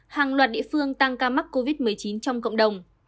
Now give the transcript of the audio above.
hàng loạt địa phương tăng ca mắc covid một mươi chín trong cộng đồng